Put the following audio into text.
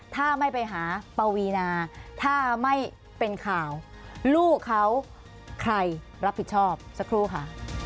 ถ้าไม่ไปหาปวีนาถ้าไม่เป็นข่าวลูกเขาใครรับผิดชอบสักครู่ค่ะ